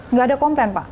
nggak ada komplain pak